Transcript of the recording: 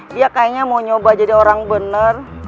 dia kayaknya mau nyoba jadi orang benar